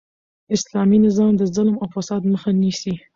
اسلامي نظام د ظلم او فساد مخ نیسي.